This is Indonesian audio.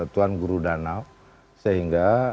tuan guru danau sehingga